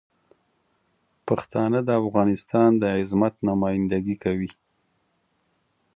پښتانه د افغانستان د عظمت نمایندګي کوي.